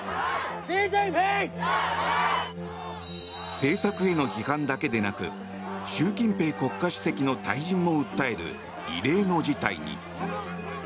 政策への批判だけでなく習近平国家主席の退陣も訴える異例の事態に。